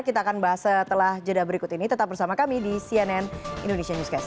kita akan bahas setelah jeda berikut ini tetap bersama kami di cnn indonesia newscast